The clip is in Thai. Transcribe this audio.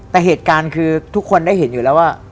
แต่เหตุการณ์คือทุกคนได้เห็นอยู่แล้วว่า